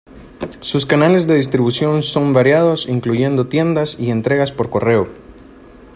Sus canales de distribución son variados incluyendo tiendas y entregas por correo.